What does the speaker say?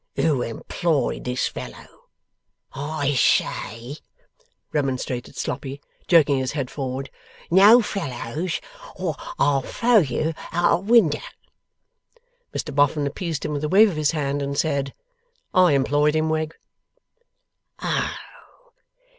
Who employed this fellow?' 'I say!' remonstrated Sloppy, jerking his head forward. 'No fellows, or I'll throw you out of winder!' Mr Boffin appeased him with a wave of his hand, and said: 'I employed him, Wegg.